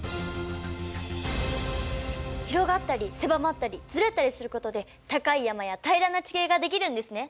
広がったり狭まったりずれたりすることで高い山や平らな地形が出来るんですね。